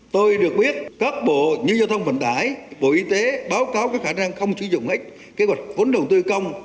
tôi được biết các bộ như giao thông vận tải bộ y tế báo cáo khả năng không sử dụng hết kế hoạch vốn đầu tư công